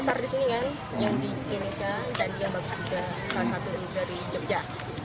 salah satu dari jogja